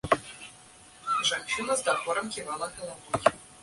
Жанчына з дакорам ківала галавой.